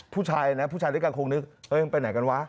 ผู้ชายนะผู้ชายด้วยกันคงนึกไปไหนกันวะ